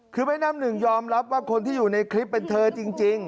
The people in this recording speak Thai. คือแม่น้ำหนึ่งยอมรับว่าคนที่อยู่ในคลิปเป็นเธอจริง